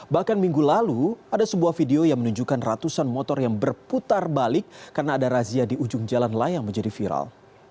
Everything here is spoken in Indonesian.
bahkan minggu lalu ada sebuah video yang menunjukkan ratusan motor yang berputar balik karena ada razia di ujung jalan layang menjadi viral